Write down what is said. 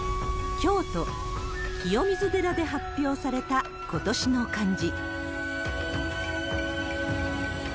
京都・清水寺で発表された今年の漢字。